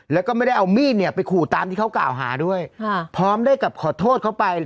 แล้วก็ไม่ได้เอามีดเนี่ยไปขู่ตามที่เขากล่าวหาด้วยพร้อมได้กับขอโทษเขาไป